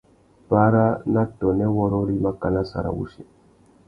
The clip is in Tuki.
Para na tônê wôrrôri makana sarawussi.